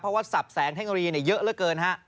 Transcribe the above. เพราะว่าสับแสงเทคโนโลยีเยอะเหลือเกินฮะ